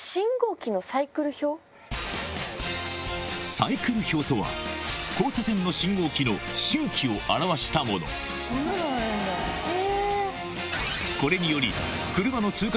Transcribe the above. サイクル表とは交差点の信号機の周期を表したもの続いては。